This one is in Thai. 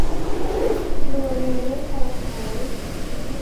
กลัวเงินไม่พอใช้